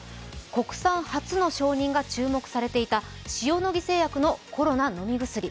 国産初の承認が注目されていた塩野義製薬のコロナ飲み薬。